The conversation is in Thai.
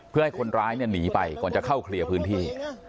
เพื่อให้คนร้ายเนี่ยหนีไปก่อนจะเข้าเคลียร์พื้นที่